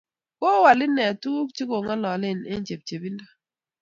ko wal ine tuguk che kongalale eng chepchebindo